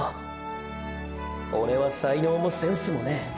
オレは才能もセンスもねェ